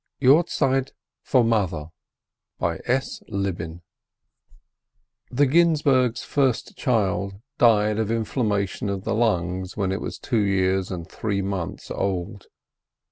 YOHRZEIT FOR MOTHER The Ginzburgs' first child died of inflammation of the lungs when it was two years and three months old.